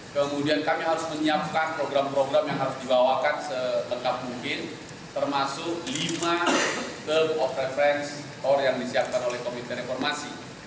kemudian kami harus menyiapkan program program yang harus dibawakan setengkat mungkin termasuk lima herd of reference tore yang disiapkan oleh komite reformasi